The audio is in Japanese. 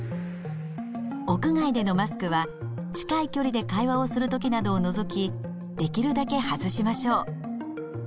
屋外でのマスクは近い距離で会話をする時などを除きできるだけ外しましょう。